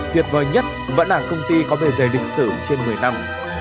tuyệt vời nhất vẫn là công ty có bề dày lịch sử trên một mươi năm